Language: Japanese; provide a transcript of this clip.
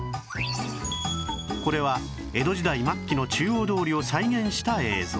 これは江戸時代末期の中央通りを再現した映像